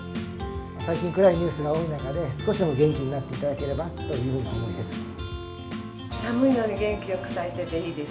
最近、暗いニュースが多い中で、少しでも元気になっていただければというふうな思いです。